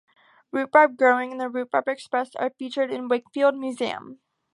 Rhubarb growing and the 'Rhubarb Express' are featured in Wakefield Museum.